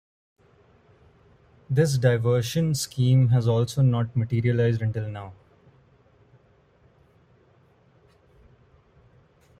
This diversion scheme has also not materialized until now.